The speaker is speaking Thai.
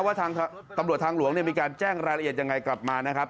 ว่าทางตำรวจทางหลวงมีการแจ้งรายละเอียดยังไงกลับมานะครับ